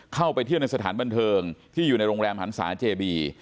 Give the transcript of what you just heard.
เข้าไปเที่ยวในสถานบันเทิงที่อยู่ในโรงแรมหันศาเจบี